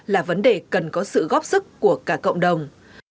là vấn đề cần có sự góp sức của cả cộng đồng